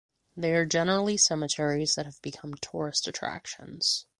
They are generally cemeteries that have become tourist attractions.